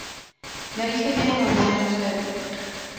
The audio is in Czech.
Na východě ho nahrazuje dub.